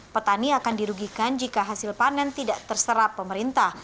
petani akan dirugikan jika hasil panen tidak terserap pemerintah